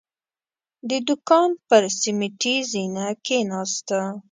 د دوکان پر سيميټي زينه کېناسته.